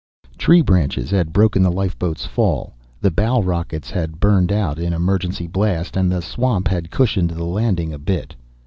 XXIII. Tree branches had broken the lifeboat's fall, the bow rockets had burned out in emergency blast, and the swamp had cushioned the landing a bit.